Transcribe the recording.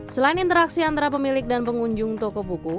selain interaksi antara pemilik dan pengunjung toko buku